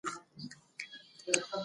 که درناوی وي نو سپکاوی نه وي.